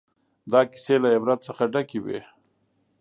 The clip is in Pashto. دا کیسې له عبرت څخه ډکې وې.